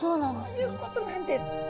そういうことなんです。